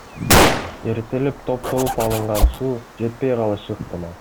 Эртелеп топтолуп алынган суу жетпей калышы ыктымал.